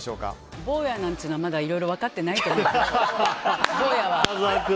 坊やなんていうのはまだいろいろ分かってない。